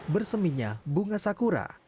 berseminya bunga sakura